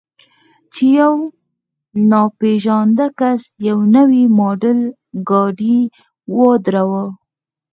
چې یو ناپېژانده کس یو نوی ماډل ګاډی ودراوه.